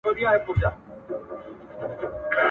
نعمتونه وه پرېمانه هر څه ښه وه ..